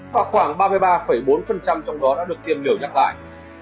khoảng ba mươi ba bốn trong đó đã được tiêm liều nhắc lại